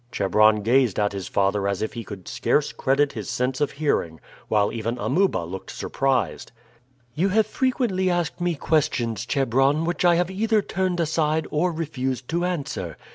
Chebron gazed at his father as if he could scarce credit his sense of hearing, while even Amuba looked surprised. "You have frequently asked me questions, Chebron, which I have either turned aside or refused to answer.